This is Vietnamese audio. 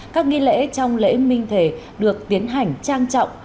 các nghi lễ trong lễ minh thề được tiến hành trang trọng